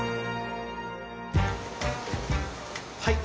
はい。